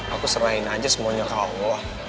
aku serahin aja semuanya ke allah